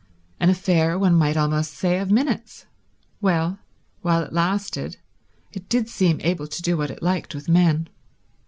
An affair, one might almost say, of minutes. Well, while it lasted it did seem able to do what it liked with men.